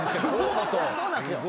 そうなんですよ